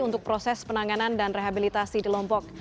untuk proses penanganan dan rehabilitasi di lombok